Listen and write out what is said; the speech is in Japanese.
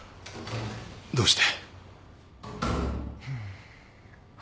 どうして？